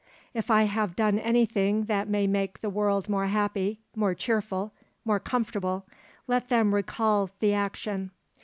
If I have done anything that may make the world more happy, more cheerful, more comfortable, let them recall the action.